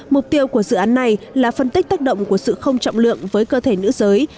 mục tiêu của dự án này là phân tích tác động của sự không trọng lượng với cơ thể nữ giới